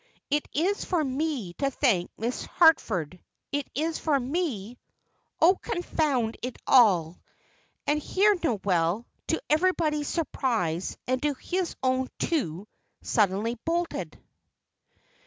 It is for me to thank Miss Harford; it is for me Oh, confound it all!" And here Noel, to everybody's surprise, and his own too, suddenly bolted.